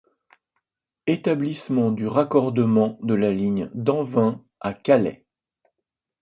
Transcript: Établissement du raccordement de la ligne d'Anvin à Calais.